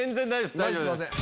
すんません。